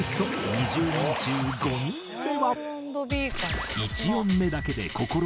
２０人中５人目は。